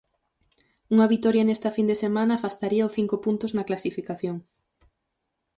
Unha vitoria nesta fin de semana afastaríao cinco puntos na clasificación.